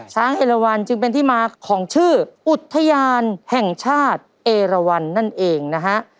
เอลวันจึงเป็นที่มาของชื่ออุทยานแห่งชาติเอราวันนั่นเองนะฮะ